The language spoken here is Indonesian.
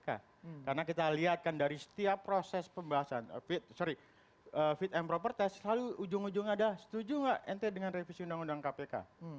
karena kita lihat kan dari setiap proses pembahasan fit and proper test selalu ujung ujung ada setuju enggak ente dengan revisi undang undang kpk